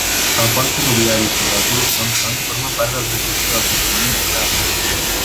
El pont ferroviari sobre el riu Thomson forma part del registre del Patrimoni Nacional.